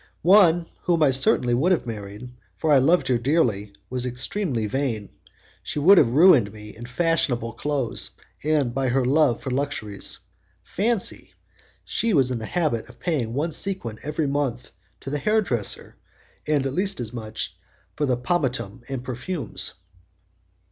One whom I certainly would have married, for I loved her dearly, was extremely vain. She would have ruined me in fashionable clothes and by her love for luxuries. Fancy! she was in the habit of paying one sequin every month to the hair dresser, and as much at least for pomatum and perfumes."